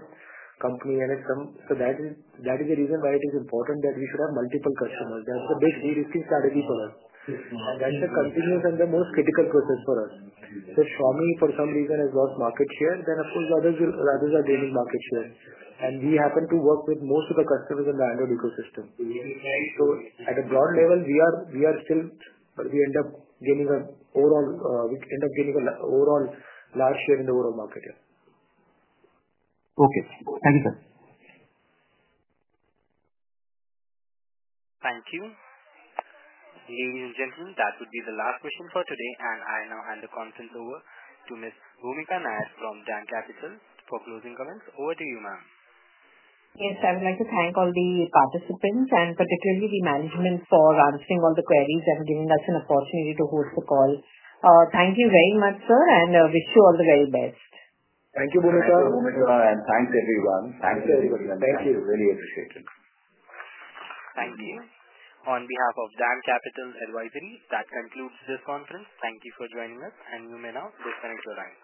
company. That is the reason why it is important that we should have multiple customers. That is the big risky strategy for us, and that is the continuous and the most critical process for us. Xiaomi, for some reason, has lost market share. Of course, others are gaining market share, and we happen to work with most of the customers in the Android ecosystem. At a broad level, we are still, but we end up gaining an overall large share in the overall market here. Thank you, sir. Thank you. Ladies and gentlemen, that would be the last question for today. I now hand the conference over to Ms. Bhoomika Nair from DAM Capital for closing comments. Over to you, ma'am. Yes, I would like to thank all the participants and particularly the management for answering all the queries and giving us an opportunity to host the call. Thank you very much, sir. Wish you all the very best. Thank you, Bhoomika. Thank you, Bhoomika. Thanks, everyone. Thank you. Thank you. Really appreciate it. Thank you. On behalf of DAM Capital, that concludes this conference. Thank you for joining us. You may now disconnect your line.